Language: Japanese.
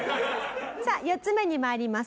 さあ４つ目に参ります。